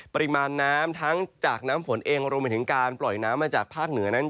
ปริมาณน้ำทั้งจากน้ำฝนเองรวมไปถึงการปล่อยน้ำมาจากภาคเหนือนั้น